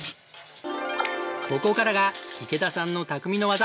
ここからが池田さんの匠の技！